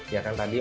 ya kan tadi